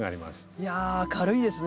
いや明るいですね